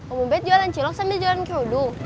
om ubed jualan cilok sambil jualan kerudung